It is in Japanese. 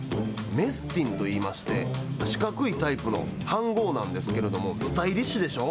メスティンといいまして、四角いタイプの飯ごうなんですけれども、スタイリッシュでしょう？